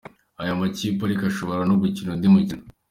Aya makipe ariko ashobora no gukina undi mukino .